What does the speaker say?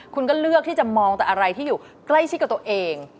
คุณก็เลือกที่จะมองแต่อะไรที่อยู่ใกล้ชิดกับตัวเอง